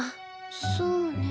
そうね。